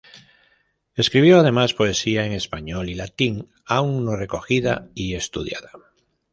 Escribió además poesía en español y latín, aún no recogida y estudiada.